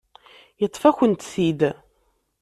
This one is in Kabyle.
Yeṭṭef-akent-t-id.